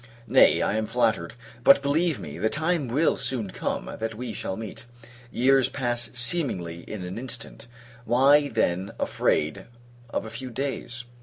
Nay, I am flattered; but, believe me, the time will soon come, that we shall meet. Years pass seemingly in an instant; why, then, afraid of a few days?